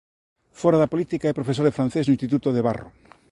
Fóra da política é profesor de francés no instituto de Barro.